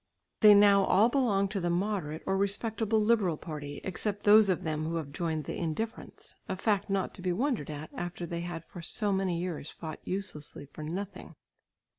They now all belong to the moderate or respectable liberal party, except those of them who have joined the indifferents, a fact not to be wondered at, after they had for so many years fought uselessly for nothing.